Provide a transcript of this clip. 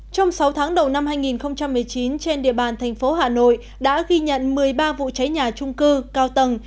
trong sáu tháng đầu năm hai nghìn một mươi chín trên địa bàn thành phố hà nội đã ghi nhận một mươi ba vụ cháy nhà trung cư cao tầng